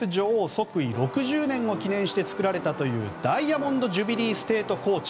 即位６０年を記念して作られたというダイヤモンド・ジュビリー・ステート・コーチ。